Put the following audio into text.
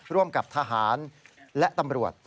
ร่วมกับทหารและตำรวจ